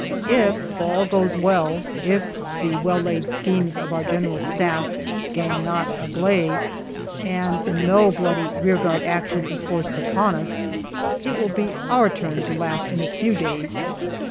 If all goes well, if the well laid schemes of our G.S. " gang not agley," 292 GALLIPOLI DIARY and no bloody rearguard action is forced upon us, it will be our turn to laugh in a few days.